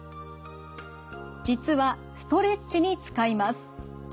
実はストレッチに使います。